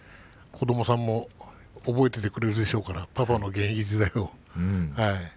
子どもさんも覚えていてくれるでしょうからパパの現役時代を。